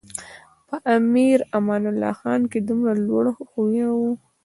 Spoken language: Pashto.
په امیر امان الله خان کې دومره لوړ خویونه و.